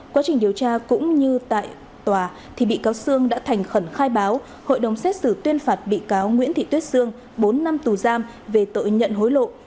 quá trình điều tra cũng như tại tòa thì bị cáo sương đã thành khẩn khai báo hội đồng xét xử tuyên phạt bị cáo nguyễn thị tuyết sương bốn năm tù giam về tội nhận hối lộ